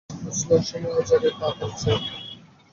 আজ বুঝলে, অসময়ে অজায়গায় পা পড়েছে।